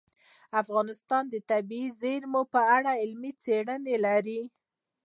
افغانستان د طبیعي زیرمې په اړه علمي څېړنې لري.